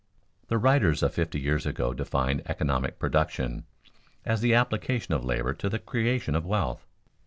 _ The writers of fifty years ago defined economic production as the application of labor to the creation of wealth.